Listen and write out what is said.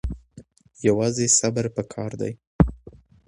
یوازې صبر پکار دی.